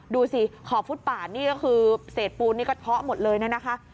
ดูสิขอบฟุตป่านี่ก็คือเศษปูนนี่ก็เพาะหมดเลยนะคะ